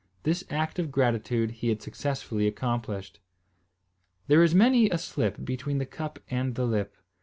This act of gratitude he had successfully accomplished. There is many a slip between the cup and the lip.